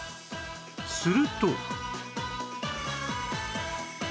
すると